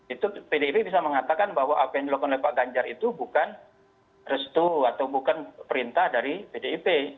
itu pdip bisa mengatakan bahwa apa yang dilakukan oleh pak ganjar itu bukan restu atau bukan perintah dari pdip